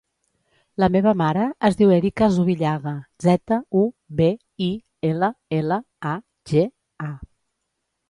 La meva mare es diu Erica Zubillaga: zeta, u, be, i, ela, ela, a, ge, a.